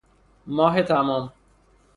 ماه تمام